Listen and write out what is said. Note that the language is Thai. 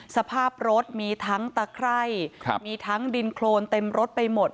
สภาพรถมีทั้งตะไคร่มีทั้งดินโครนเต็มรถไปหมด